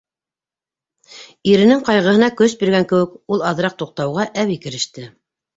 Иренең ҡайғыһына көс биргән кеүек, ул аҙыраҡ туҡтауға, әбей кереште: